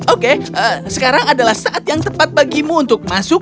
oke sekarang adalah saat yang tepat bagimu untuk masuk